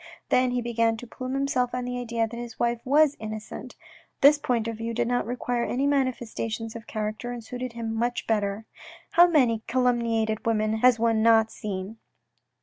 Then he began to plume himself on the idea that his wife was innocent. This point of view did not require any manifestation of character, and suited him much better. " How many calumniated women has one not seen